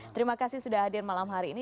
terima kasih sudah hadir malam hari ini